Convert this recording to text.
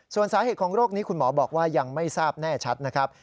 ส่วนสาเหตุของโรคนี้คุณหมอบอกว่ายังไม่ทราบแน่ชัดนะครับ